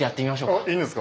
あいいんですか？